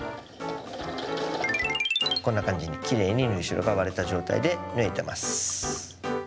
こんな感じにきれいに縫い代が割れた状態で縫えてます。